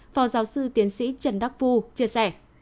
phó giáo sư tiến sĩ trần đắc phu chia sẻ